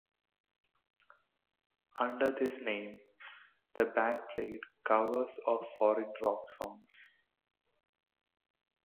Under this name, the band played covers of foreign rock songs.